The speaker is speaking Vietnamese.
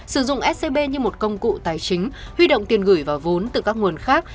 sử dụng scb như một công cụ tài chính huy động tiền gửi và vốn từ các nguồn khác